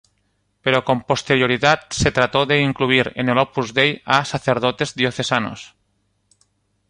Pero con posterioridad se trató de incluir en el Opus Dei a sacerdotes diocesanos.